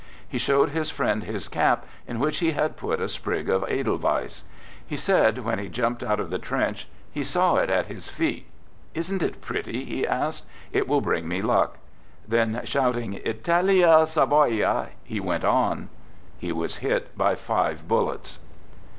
He showed his friend his cap in which he had put a sprig of edelweiss. He said when he jumped out of the trench, he saw it at his feet. " Isn't it pretty? " he asked. " It will bring me luck." Then shouting "Italia! Savoia!" he went on. He was hit by five bullets.